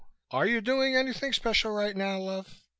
Are you doing anything special right now, love?